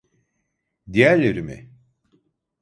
Diğerleri mi?